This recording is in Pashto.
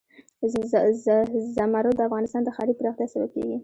زمرد د افغانستان د ښاري پراختیا سبب کېږي.